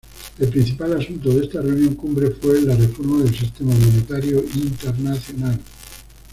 El principal asunto de esta reunión-cumbre, fue la reforma del Sistema Monetario Internacional.